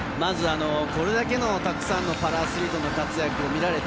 これだけのたくさんのパラアスリートの活躍が見られた。